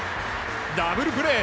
ダブルプレー。